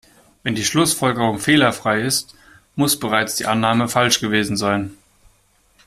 Wenn die Schlussfolgerung fehlerfrei ist, muss bereits die Annahme falsch gewesen sein.